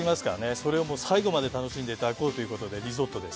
それを最後まで楽しんでいただこうということでリゾットです